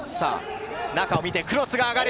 中を見てクロスが上がる。